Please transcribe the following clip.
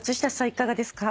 いかがですか？